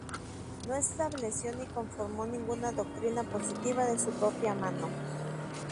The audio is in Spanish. No estableció ni conformó ninguna doctrina positiva de su propia mano.